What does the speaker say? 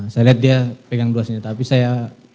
saya lihat dia pegang dua senjata api saya